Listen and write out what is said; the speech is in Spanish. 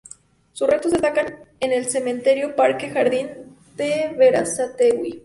Sus restos descansan en en el cementerio Parque Jardín de Berazategui.